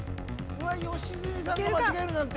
良純さんが間違えるなんて。